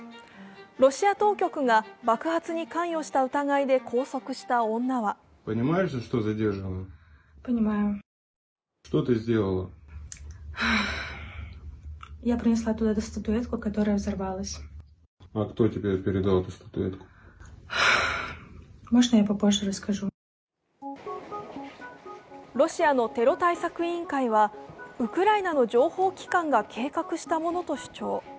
ロシア当局が爆発に関与した疑いで拘束した女はロシアのテロ対策委員会はウクライナの情報機関が計画したものと主張。